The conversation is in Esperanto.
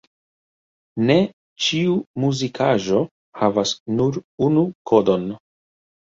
Ne ĉiu muzikaĵo havas nur unu kodon.